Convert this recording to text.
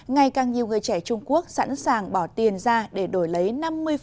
ngày càng nhiều người trẻ trung quốc sẵn sàng bỏ tiền ra để đổi lấy năm mươi